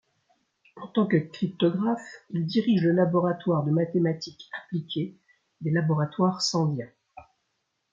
En tant que cryptographe, il dirige le laboratoire de mathématiques appliquées des Laboratoires Sandia.